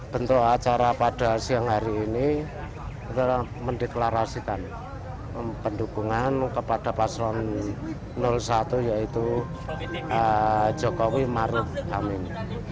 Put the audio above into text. bentuk acara pada siang hari ini adalah mendeklarasikan pendukungan kepada paslon satu yaitu jokowi maruf amin